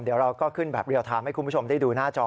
เดี๋ยวเราก็ขึ้นแบบเรียลไทม์ให้คุณผู้ชมได้ดูหน้าจอ